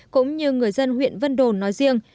cũng như người dân huyện vân đồn nói riêng